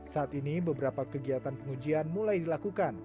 saat ini beberapa kegiatan pengujian mulai dilakukan